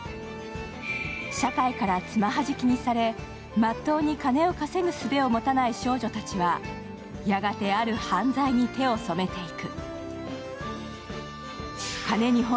社会から爪弾きにされ、まっとうに金を稼ぐ術を持たない少女たちはやがてある犯罪に手を染めていく。